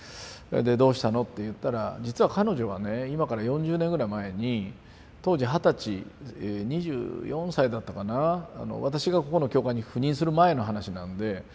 「どうしたの？」って言ったら実は彼女はね今から４０年ぐらい前に当時二十歳２４歳だったかな私がここの教会に赴任する前の話なんで。